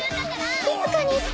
し静かにして。